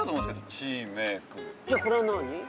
じゃこれは何？